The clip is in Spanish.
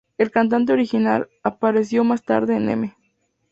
El cantante original apareció más tarde en "M!